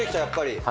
やっぱり。